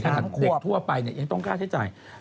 ๓ักควบจริงจริงจริงเด็กทั่วไปยังต้องการใช้จ่าย